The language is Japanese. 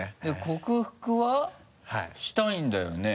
克服は？したいんだよね？